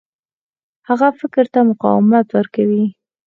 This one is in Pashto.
هغه فکر ته مقاومت ورکوي.